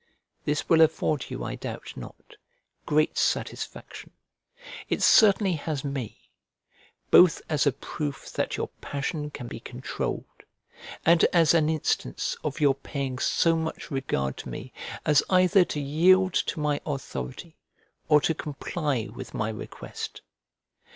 This will afford you, I doubt not, great satisfaction. It certainly has me, both as a proof that your passion can be controlled, and as an instance of your paying so much regard to me, as either to yield to my authority or to comply with my request.